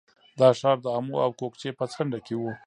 دا ښار د امو او کوکچې په څنډه کې و